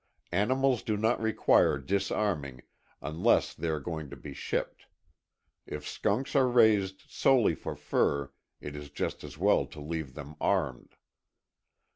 Animals do not require disarming unless they are going to be shipped. If skunks are raised solely for fur, it is just as well to leave them armed.